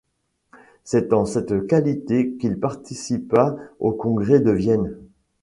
C’est en cette qualité qu’il participa au congrès de Vienne.